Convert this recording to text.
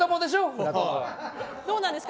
どうなんですか。